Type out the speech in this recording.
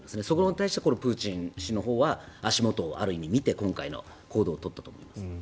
そこに対してプーチン氏のほうは足元を見て今回の行動を取ったんだと思います。